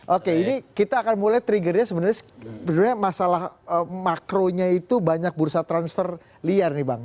oke ini kita akan mulai triggernya sebenarnya masalah makronya itu banyak bursa transfer liar nih bang